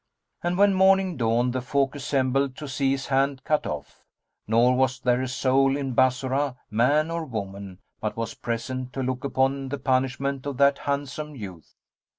And when morning dawned the folk assembled to see his hand cut off, nor was there a soul in Bassorah, man or woman, but was present to look upon the punishment of that handsome youth.